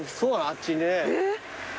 あっちにね。